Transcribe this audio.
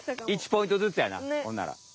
１ポイントずつやなほんなら。